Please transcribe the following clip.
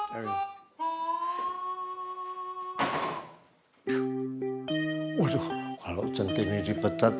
waduh kalau centini dipetat